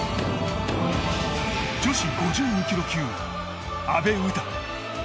女子５２ｋｇ級、阿部詩。